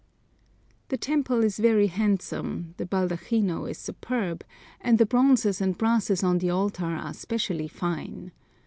The temple is very handsome, the baldachino is superb, and the bronzes and brasses on the altar are specially fine.